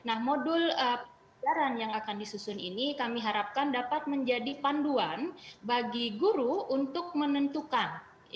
nah modul pelajaran yang akan disusun ini kami harapkan dapat menjadi panduan bagi guru untuk menentukan